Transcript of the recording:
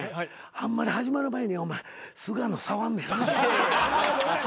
あんまり始まる前に菅野触んのやめて。